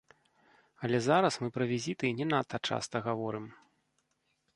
Але зараз мы пра візіты не надта часта гаворым.